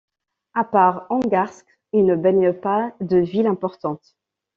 À part Angarsk, il ne baigne pas de villes importantes.